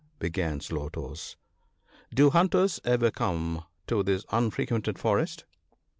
began Slow toes. " Do hunters ever come to this unfrequented forest